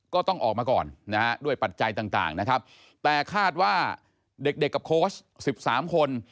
ก็ต้องออกมาก่อนนะฮะด้วยปัจจัยต่างนะครับแต่คาดว่าเด็กกับโค้ช๑๓คน